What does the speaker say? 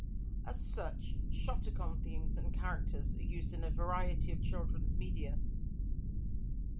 As such, shotacon themes and characters are used in a variety of children's media.